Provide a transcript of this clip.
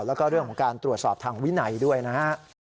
แล้วก็เรื่องของการตรวจสอบทางวินัยด้วยนะฮะ